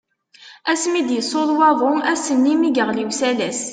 Asmi i d-yessuḍ waḍu, ass-nni mi yeɣli usalas.